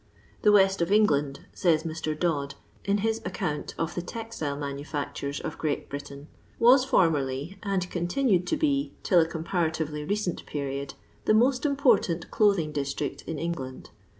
" The west of England/' says Mr. Dodd, in his ac count of the textile mauu£icturcs of Great Britain, " was formerly, and continued to be till a comparatirely recent period, the most important clothing district in England.